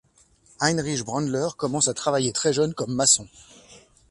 Heinrich Brandler commence à travailler très jeune comme maçon.